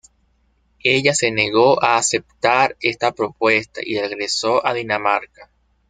Ella se negó a aceptar esta propuesta, y regresó a Dinamarca.